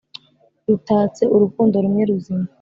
Rutatse urukundo rumwe ruzima!